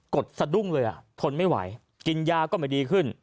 ดสะดุ้งเลยทนไม่ไหวกินยาก็ไม่ดีขึ้น